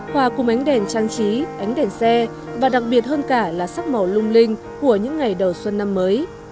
hòa cùng ánh đèn trang trí ánh đèn xe và đặc biệt hơn cả là sắc màu lung linh của những ngày đầu xuân năm mới